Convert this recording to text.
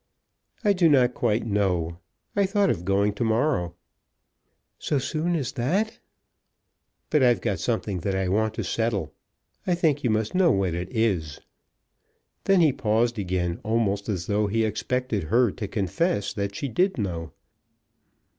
"I do not quite know. I thought of going to morrow." "So soon as that?" "But I've got something that I want to settle. I think you must know what it is." Then he paused again, almost as though he expected her to confess that she did know.